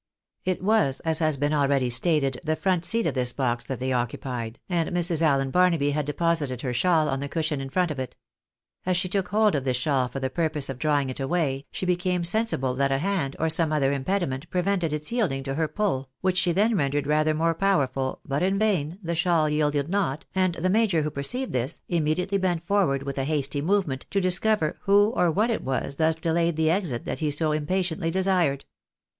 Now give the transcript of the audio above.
It was, as has been already stated, the front seat of this box that they occupied, and Mrs. Allen Barnaby had deposited her shawl on the cushion in front of it. As she took hold of this shawl for the purpose of drawing it away, she became sensible that a hand, or some other impediment, prevented its yielding to her pull, which she then rendered rather more powerful, but in vain, the shawl yielded not, and the major, who perceived this, immediately bent forward, with a hasty movement, to discover who or what it was which thus delayed the exit that he so impatiently desired.